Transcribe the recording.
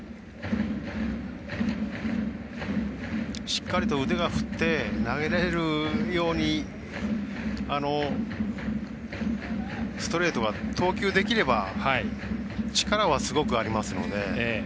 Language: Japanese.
しっかりと腕を振って投げれるようにストレートが投球できれば力はすごくありますので。